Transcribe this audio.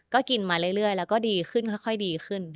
ก็กินมาเรื่อยแล้วก็ดีขึ้นค่อยดีขึ้น